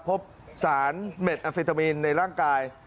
พบสารเม็ดอเฟตามีนในร่างกาย